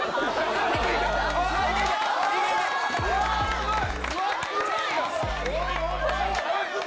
すごい！